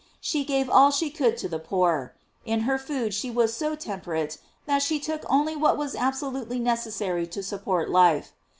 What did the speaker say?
She gave all she could to the poor. In her food she was so temperate that she only took what was absolutely necessary to support life.